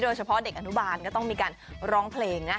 เฉพาะเด็กอนุบาลก็ต้องมีการร้องเพลงนะ